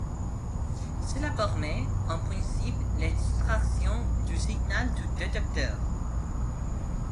Cela permet, en principe, l'extraction du signal du détecteur.